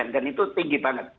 dan itu tinggi banget